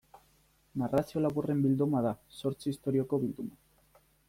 Narrazio laburren bilduma da, zortzi istorioko bilduma.